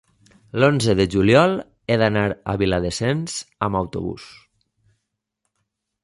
l'onze de juliol he d'anar a Viladasens amb autobús.